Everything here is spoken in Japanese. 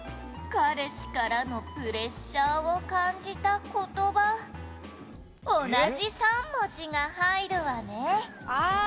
彼氏からのプレッシャーを感じた言葉」「同じ３文字が入るわね」